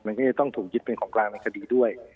มันก็จะต้องถูกยึดเป็นของกลางในคดีด้วย